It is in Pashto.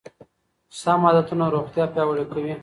سم عادتونه روغتیا پیاوړې کوي.